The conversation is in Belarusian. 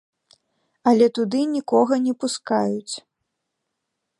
Але туды нікога не пускаюць.